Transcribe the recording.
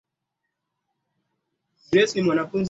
Kuna sekunde sitini kwa dakika moja.